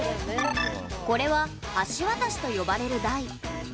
これは橋渡しと呼ばれる台。